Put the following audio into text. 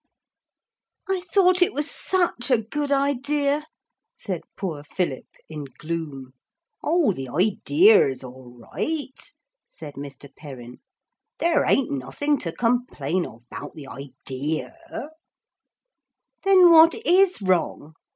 'I thought it was such a good idea,' said poor Philip in gloom. 'Oh, the idea's all right,' said Mr. Perrin; 'there ain't nothing to complain of 'bout the idea.' 'Then what is wrong?'